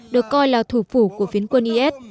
được coi là thủ phủ của phiến quân is